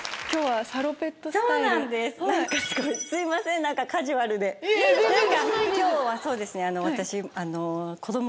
今日はそうですね私。